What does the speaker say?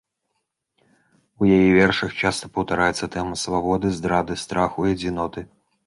У яе вершах часта паўтараюцца тэмы свабоды, здрады, страху і адзіноты.